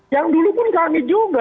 yang dulu pun kami juga